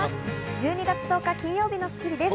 １２月１０日、金曜日の『スッキリ』です。